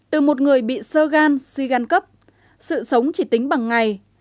từ một người bị sơ gan suy gan cấp sự sống chỉ tính bằng ngày